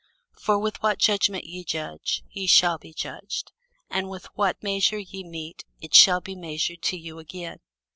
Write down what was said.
For with what judgment ye judge, ye shall be judged: and with what measure ye mete, it shall be measured to you again.